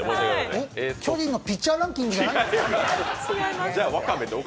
えっ、巨人のピッチャーランキングじゃないんですか？